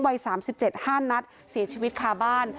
วัย๓๗๕นัดเสียชีวิตคาบ้าน